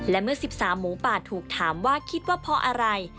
และเมื่อ๑๓หมูป่าถูกถามว่าคิดว่าเพราะอะไร